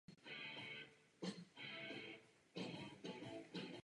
Ve městě se dále nachází železniční zastávka "Dačice město".